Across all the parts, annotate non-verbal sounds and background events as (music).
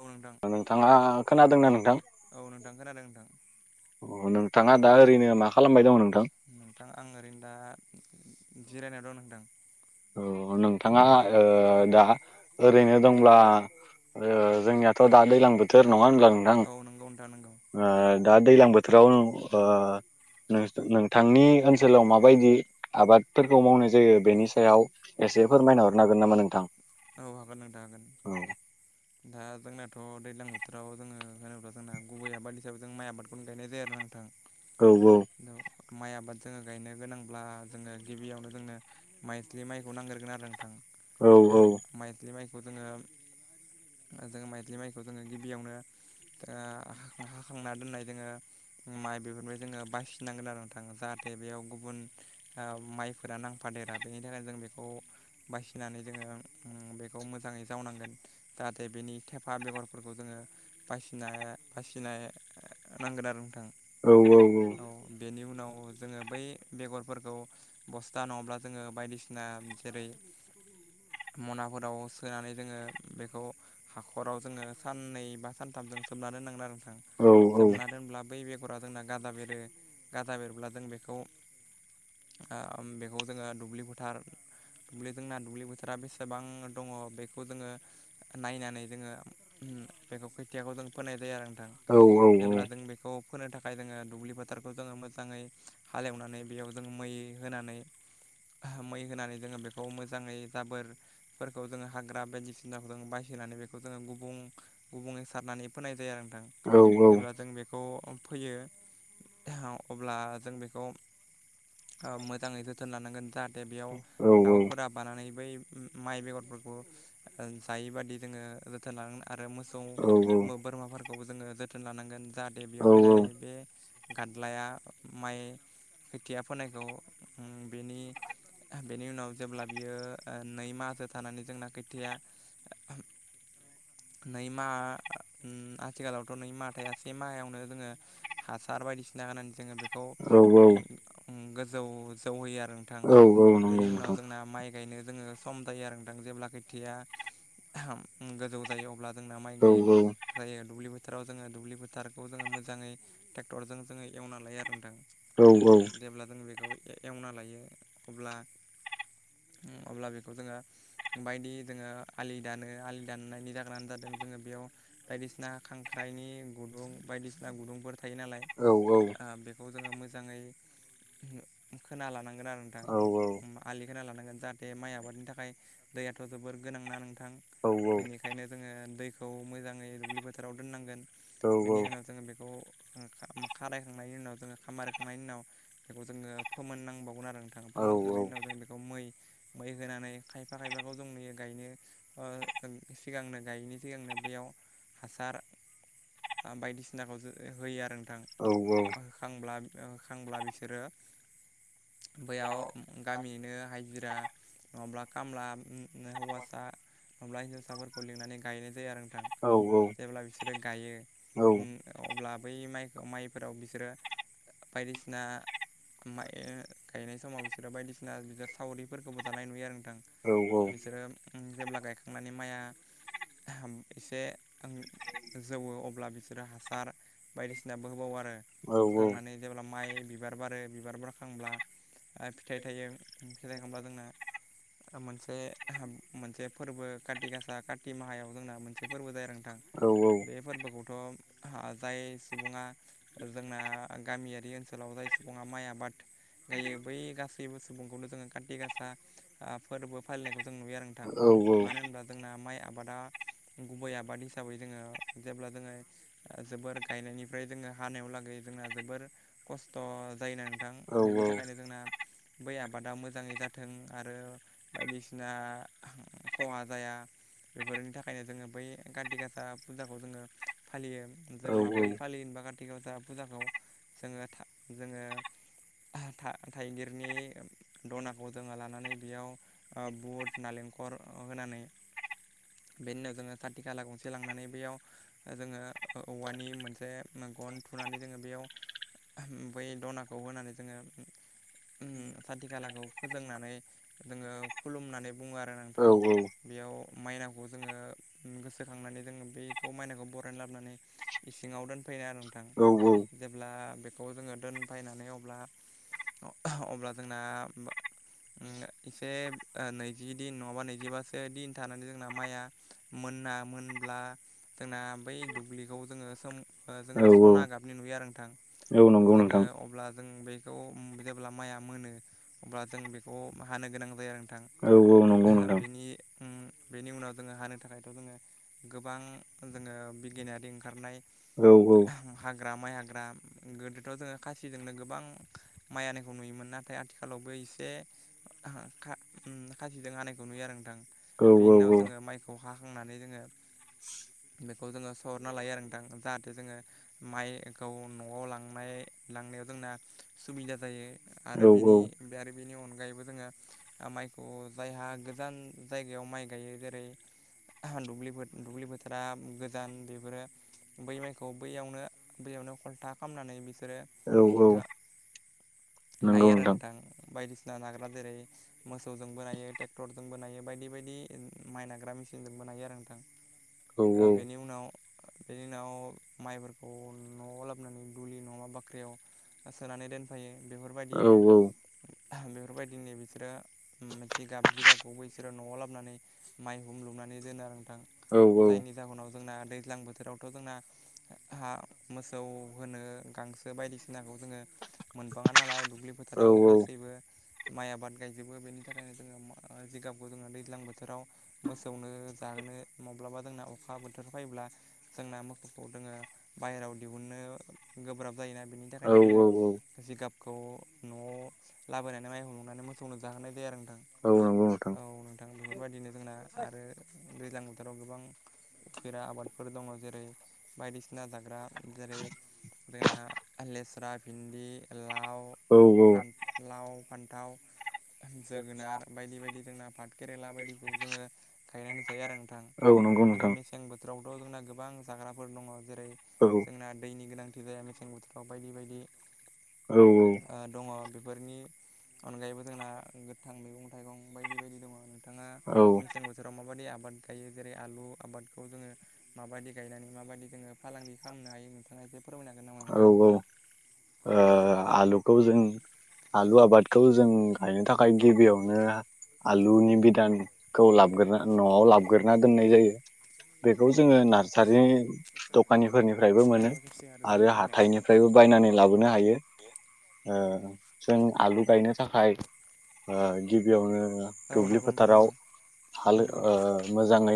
औ नोंथां नोंथाङा खोनादोंना नोंथां औ नोंथां खोनादों नोंथां अ नों नोंथाङा दा ओरैनो मा खालामबाय दङमोन नोंथां नोंथां आं ओरैनो दा जिरायना दं नोंथां औ नोंथाङा ओ दा ओरैनो दंब्ला ओ जोंनियाथ' दा दैज्लां बोथोर नङा होनब्ला नोंथां औ नंगौ नोंथां नंगौ ओ दा दैज्लां बोथोराव ओ (unintelligible) नोंथांनि ओनसोलाव माबायदि आबादफोरखौ मावनाय जायो बेनि स सायाव एसे फोरमायना हरनो हागोन नामा नोंथां औ हागोन नोंथां हागोन दा जोंनाथ' दैलां बोथोराव जोङो होनोब्ला जोंना गुबै आबाद (unintelligible) जों माइ आादखौनो गायनाय जायो आरो ना नोंथां औ द माइ आबाद जोङो गायनो गोनांब्ला जोङो गिबियावनो जोंनो माइज्लिमाइखौ नांगोरगोन आरो नोंथां औ औ माइज्लि माइखौ जोङो जों माइज्लिमाइखौ जोङो गिबियावनो ओ हाखांना दोननाय जोङो माइ बेफोरबाय जोङो बासिनांगोन आरो नोंथां जाहाथे बेयाव गुबुन ओ माइफोरा नांफा देरा बेनि थाखायनो जों बेखौ बासिनानै जोङो बेखौ मोजाङै जावनांगोन जाहाथे बेनि थेफा बेगरफोरखौ जोङो बासिना बासिनाय नांगोन आरो नोंथां औ औ बेनि उन उनाव जोङो बै बेगरफोरखौ बस्था नङाब्ला जोङो बायदिसिना जेरै (inaudible) मनाफोराव सोनानै जोङो बेखौ हाखराव जोङो साननै बा सानथामजों सोम (unintelligible) दोननांगोन आरो नोंथां औ सोमना दोनब्ला बै बे फोरा जोंना गाजा बेरो गाजा बेरब्ला जों बेखौ ओ बेखौ जोङो दुब्लि बोफोथार दुब्लि जोंना दुब्लि बोथोरा बेसे सेबां दङ बेखौ जोङो नायनानै जोङो बेखौ खोथियाखौ जों फोनाय जायो आरो औ जेब्ला जों बेखौ फोनो थाखाय जोङो दुब्लि फोथारखौ जोङो मोजाङै हालेवनानै बेयाव जों मै होनानै मै होनानै जोङो बेखौ मोजाङै जाबोर फोरखौ जोङ हाग्रा बायदिसिनाखौ जों बायसिनानै बेखौ जोङो गुबुं गुबुंङै सारनानै फोनाय जायो आरो औ जेब्ला जों बेखौ फैयो अब्ला जों बेखौ ओ मोजाङै जोथोन लानांगोन जाहाथे बेयाव दाउफोरा बानानै बै माइ बेगरफोरखौ जायै बादि जोङो जोथोन ला आरो मोसौ बोरमाफोरखौ जोङो जोथोन लानांगोन जाहाथे बेयाव फैनानै बे गादलाया माइ खोथिया फोनायखौ बेनि बेनि उनाव जेब्ला बियो ओ नै माहो थानानै जोंना खैथाया (inaudible) नै मा आथिखालावथ' नै मा था से माहायावनो जोङो हासार बायदिसिना होनानै जोङो बे औ औ जौ जौहोयो आरो नोंथां औ नंगौ बेनि उनाव नोंथां जोंना माइ गायनो जोङो सम जायो आरो (unintelligible) जेब्ला खैथिया गोजौ जायो अब्ला जोंना माइ औ गायो गायो दुब्लि फो फोथाराव जोङो दुब्लि फोथारखौ जोङो मोजाङै टेक्टरजों जोङो एवना लायो आरो नोंथां। औ जेब्ला जों बेखौ ए-एवना लायो अब्ला उम अब्ला बेखौ जोङो बायदि जोङो आलि दानो आलि दाननायनि जागोनानो जादों जोङो बेयाव बायदिसिना खांख्राइनि गुदुं बायदिसिना गुदुंफोर थायो नालाय औ ओ बेखौ जोङो मोजाङै खोना लानां गोन आरो नोंथां औ आलि खोना लानांगोन जाहाथे माइ आबादनि थाखाय दैयाथ' जोबोर गोनां ना नों थां औ बेनिखायनो जोङो दैखौ मोजाङै दुब्लि फोथोराव दोननांगोन। बेनि उनाव जोङो बेखौ उम खा-खारायखांनायनि उनाव जोङो खामारिखांनायनि उनाव बेखौ जोङो फोमोननांबावगोन आरो। नोंथां औ फोमोनखांनायनि उनाव जोङो बेखौ मै मै होनानै खायफा खायफाखौ जों नुयो गायनो ओ सिगांनो गायिनि सिगांनो बैयाव हासार ओ बायदिसिनाखौ जो होयो आरो नो थां होखांब्ला होखांब्ला बिसोरो बैयाव गामिनिनो हाजिरा नङाब्ला कामला नो हौवासा नङाब्ला हिन्जावसाफोरखौ लिंनानै गायनाय जायो आरो नोंथां जेब्ला बिसोरो गायो उम अब्ला बै माइखौ माइफोराव बिसोरो बायदिसिना माइ ओ गायनाय समाव बिसोरो बायदिसिना बि सावरिफोर खौबो जानाय नुयो आरो नोंथां बिसोरो उम जेब्ला गायखांनानै माइआ एसे ओं जौवो अब्ला बिसोरो हासार बायदिसिनाबो होबावो आरो होखांनानै जेब्ला माइ बिबार बारो बिबार बारखांब्ला ओ फिथाइ थाइयो फिथाइ थायखांब्ला जोंना ओ मोनसे मोनसे फोरबो काति गासा काति माहायाव जोंना मोनसे फोरबो जायो आरो नों थां बे फोरबोखौथ' जाय सुबुङा जोंना गामियारि ओनसोलाव जाय सुबुङा माइ आबाद गायो बै गासैबो सुबुंखौनो जोङो काति गासा ओ फोरबो फालिनायखौ जों नुयो आरो नोंथां मानो होनब्ला जोंना माइ आब आबादा गुबै आबाद हिसाबै जोङो जेब्ला जोङो ओ जोबोर गायनायनिफ्राय जोङो हानायावलागै जोंना जोबोर खस्थ' जायोना नोंथां बेनि थाखायनो जोंना बै आबादा मोजां जाङै जाथों आरो बायदिसिना खहा जाया बेफोरनि थाखायनो जोङो बै काति गासा फुजाखौ जोङो फालियो जों माबोरै फालियो होनबा काति गासा फुजाखौ जोङो था जोङो था-थाइगिरनि दनाखौ जोङो लानानै बेयाव ओ बुट नालेंखर अ होनानै बेनि उनाव जोङो खाति काला गंसे लांनानै बैयाव ओ जोङो ओ-औवानि मोनसे गन थुनानै जोङो बेयाव बै दनाखौ होनानै जोङो उम खाथि खालाखौ फोजोंनानै जोङो खुलुमनानै बुङो आरो नोंथां औ बेयाव माइनावखौ जोङो गोसोखांनानै जोङो बेखौ माइनावखौ बरायना लाबनानै इसिङाव दोनफोयो आरो थां औ जेब्ला बेखौ जोङो दोनफायनानै अब्ला अब्ला जोंना मबा उम इसे ओ नैजि दिन नङाबा नैजिबासो दिन थानानै जोंना माइया मोन ना मोनब्ला जोंना बै दुब्लिखौ जोङो सोम ओ जोङो सना गाबनि नुयो आरो नोंथां। औ नंगौ जोङो नोंथां। अब्ला जों बेखौ उम जेब्ला माइया मोनो अब्ला जों बेखौ हानो गोनां जायो आरो नोंथां। औ औ नंगौ नोंथां बेनि उम बेनि उनाव जोङो हानो थाखायथ' जोङो गोबां जोङो बिगियानारि ओंखारनाय औ औ। ग्रा माइ हाग्रा गोदोथ' जोङो खासिजोंनो गोबां माइ हानायखौ नुयोमोन नाथ नाथाय आथिखालावबो एसे खा उम्म खासिजों हानायखौ नुयो आरो नोंथां। बेनि औ औ उनाव जोङो माइखौ हाखांनानै जोङो (inaudible) बेखौ जोङो सरना लायो आरो नोंथां जाहाथे जोङो माइखौ न'आव लांनाय थांनायाव जोंना सुबिदा जायो औ औ आरो बेनि बे आरो बेनि अनगायैबो जोङो माइखौ जायहा गोजान जायगायाव माइ गायो जेरै दुब्लि फो दुब्लि फोथारा गोदान बेफोरो बै माइखौ बैयावनो बैयावनो खलथा खालामनानै बिसोरो औ औ। नायो आरो नोंथां बायदिसिना नाग्रा जेरै मोसौजोंबो नायो ट्रेक्टरजोंबो नायो बायदि बायदि बि माइ नाग्रा मेचिनजों बानायो आरो नोंथां औ ओ बेनि उनाव बेनि उनाव माइफोरखौ न'आव लाबोनानै दुलि नङाबा बाख्रियाव बा सोनानै दोनफायो औ औ। बेफोरबायदिनो बिसोरो उम्म जिगाब जिगाबखौबो बिसोरो न'आव लाबोनानै माइ हुम लु नानै दोनो आरो नोंथां जायनि जाहोनाव जोंना दैज्लां बोथोरावथ' जोंना हा मोसौ होनो गांसो बायदिसिनाखौ जोङो मोनबाङा नालाय दुब्लि फोथाराव गासैबो माइ आबाद गायजोबो बेनि थाखायनो जोङो जिगाबखौ जोङो दैज्लां बोथोराव मोसौनो जाहोनो माब्लाबा जोंना अखा बोथोर फायोब्ला जोंना मोखौफोर दोंङो बायहेरायाव दिहुननो गोब्राब जायोना बेनि थाखायनो औ जोङो जिगाब खौ न'आव लाबोनानै माइहुं लुनानै मोसौनो जाहोनाय जायो आरो नोंथां। औ औ नंगौ नोंथां औ नोंथां बेफोरबायदिनो जोंना आरो दैज्लां बोथोराव गोबां उफेरा आबादफोर दङ जेरै बायदिसिना जाग्रा जेरै जोगोनार लेस्रा भिन्दि औ औ फान्थ लाव फान्थाव जोगोनार बायदि बायदि जोंना पाथ केेरेला बायदिखौ जोङो गायनाय नुजायो आरो नोंथां। औ नंगौ आरो नोंथां मेसें बोथोरावथ' जोंना गोबां जाग्राफोर दङ जेरै औ जोंना दैनि गोनांथि जाया मेसें बोथोराव बायदि बायदि औ औ ओ दङ बेफोरनि अनगायैबो जोंना गोथां मैगं थाइगं बायदि बायदि दङ नोंथाङा मेसें बोथोराव माबायदि आबाद आबाद गायो जेरै आलु आबादखौ जोङो माबायदि गायनानै माबायदि जोङो फालांगि खालामनो हायो नोंथाङा फोरमायनो हागोन नामा नोंथां? (inaudible) आलुखौ जों आलु आबादखौ जों गायनो थाखाय गिबियावनो आलुनि बिदानखौ लाबग्रोना न'आव लाबग्रोना दोननाय जायो। बेखौ जोङो नार्सारिनि दखानिफोरनिफ्रायबो मोनो। रायलायबाय खेबसे जागोन आरो दे माने हाथायनिफ्रायबो बायनानै लाबोनो हायो। ओ जों आलु गायनो थाखाय ओ गिबियावनो औ दुब्लि नंगौ नोंथां फोथाराव नंगौ हाल नंगौ ओ मोजाङै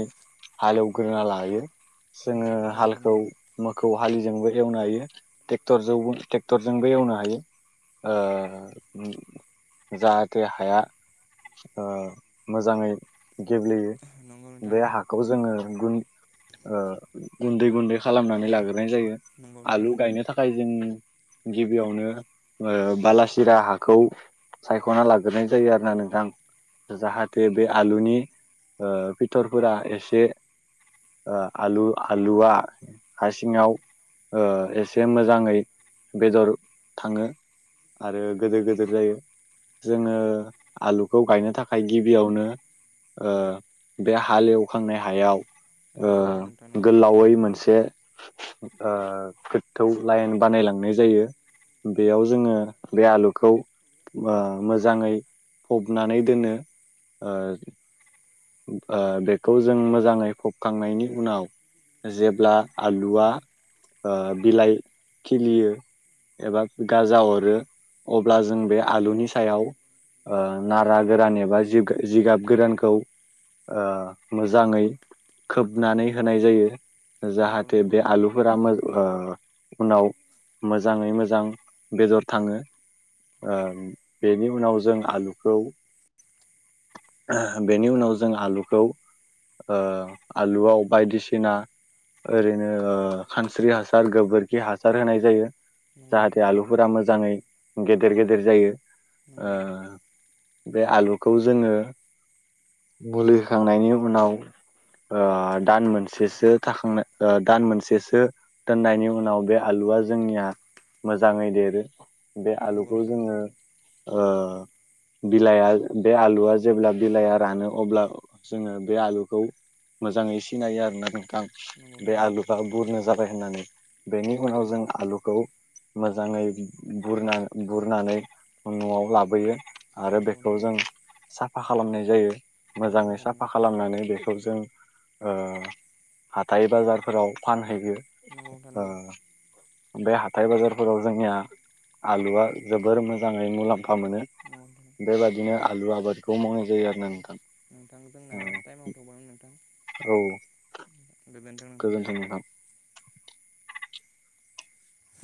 हाल एवग्रोना लायो जोङो नंगौ नोंथां हालखौ नंगौ मोख हालिजोंबो एवनो हायो ट्रेक्टर जोंबो एवनो हायो। ओ जाहाथे हाया ओ मोजाङै गेब्लेयो नंगौ नोंथां बे नंगौ हाखौ जोङो गुन ओ गुन्दै गुन्दै खालामनानै लाग्रोनाय जायो नंगौ नोंथां आलु नंगौ गायनो थाखाय जों गिबियावनो ओ बालासिरा हाखौ सायख'ना लाग्रोनाय जायो आरो ना नोंथां, जाहाथे बे आलुनि ओ फिथरफोरा एसे, ओ आलु आलुआ हासिङाव, ओ एसे मोजाङै बेदर थाङो, आरो गोदोर गोदोर जायो, जोङो आलुखौ गायनो थाखाय गिबियावनो, ओ बे हालेवखांनाय हायाव, औ ओ नंगौ नोंथां नंगौ गोलावै मोनसे, ओ गोथौ लाइन बानायलांनाय जायो बेयाव, जोङो बे आलुखौ ओ मोजाङै फबनानै दोनो, ओ ओ बेखौ जों मोजाङै फबखांनायनि उनाव, जेब्ला आलुआ ओ बिलाइ खिलियो, एबा गाजा अरो अब्ला जों बे आलुनि सायाव, ओ नारा गोरान एबा जिगाब गोरानखौ, ओ मोजाङै खोबनानै होनाय जायो, नंगौ जाहाथे नोंथां बे नंगौ आलुफोरा मो ओ, उनाव मोजाङै मोजां बेदर थाङो, ओ बेनि उनाव जों आलुखौ, ओ बेनि उनाव जों आलुखौ, ओ आलुआव बायदिसिना, ओरैनो ओ खानस्रि हासार गोबोरखि हासार होनाय जायो, नंगौ नोंथां जाहाथे आलुफोरा मोजाङै गेदेर गेदेर जायो ओ, बे आलुखौ जोङो मुलि होखांनायनि उनाव, ओ दान मोनसेसो थाखां ओ दान मोनसेसो दोननायनि उनाव बे आलु, आलुआ जोंनिया मोजाङै देरो बे आलुखौ नंगौ जोङो ओ, बिलाइआ बे आलुआ जेब्ला बिलाइआ रानो, अब्ला जोङो बे आलुखौ, मोजाङै सिनायो आरोना नोंथां नंगौ नंगौ नोंथां बे नंगौ आलुफ्रा बुरनो जाबाय होननानै, बेनि नंगौ नोंथां उनाव जों नंगौ आलुखौ, मोजाङै बुरना बुरनानै न'आव लाबोयो, नंगौ नोंथां नंगौ आरो बेखौ नोंथां जों नंगौ साफा खालामनाय जायो, नंगौ नोंथां मोजाङै नंगौ साफा खालामनानै बेखौ जों ओ, हाथाइ बाजारफोराव फानहैयो नंगौ नोंथां ओ, नंगौ बे हाथाय बाजारफोराव जोंनिया आलुआ जोबोर मोजाङै मुलाम्फा मोनो, नोंथां बेबादिनो आलु आबादखौ मावनाय जायो आरोना नोंथां, नोंथां जोंना टाइमाव थबां नोंथां, औ गोजोनथों नोंथां,